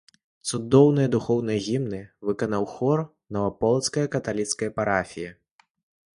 Цудоўныя духоўныя гімны выканаў хор наваполацкае каталіцкае парафіі.